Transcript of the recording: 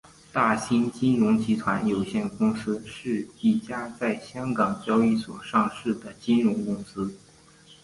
大新金融集团有限公司是一家在香港交易所上市的金融公司。